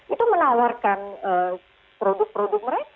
itu menawarkan produk produk mereka